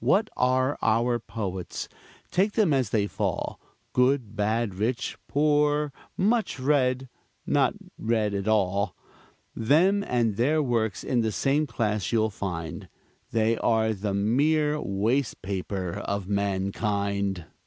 What are our poets, take them as they fall, Good, bad, rich, poor, much read, not read at all? Them and their works in the same class you'll find: They are the mere waste paper of mankind.